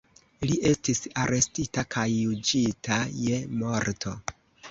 Li estis arestita kaj juĝita je morto.